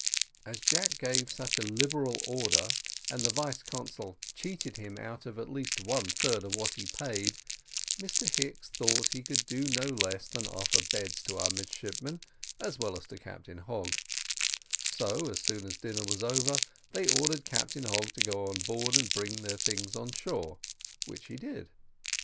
As Jack gave such a liberal order, and the vice consul cheated him out of at least one third of what he paid, Mr Hicks thought he could do no less than offer beds to our midshipmen as well as to Captain Hogg; so, as soon as dinner was over, they ordered Captain Hogg to go on board and bring their things on shore, which he did.